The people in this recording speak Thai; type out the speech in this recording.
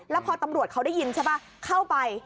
แล้วพอตำรวจเขาได้ยินใช่ป่ะเข้าไป